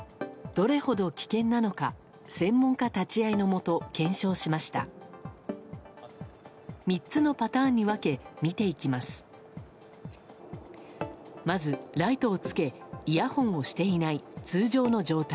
どれほど危険なのか専門家立ち会いのもと検証しました。